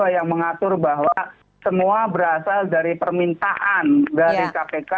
yang mengatur bahwa semua berasal dari permintaan dari kpk